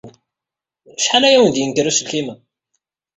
Acḥal ay awen-d-yenker uselkim-a?